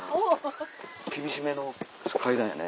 厳しめの階段やね。